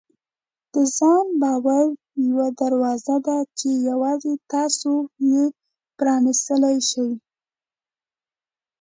د ځان باور یوه دروازه ده چې یوازې تاسو یې پرانیستلی شئ.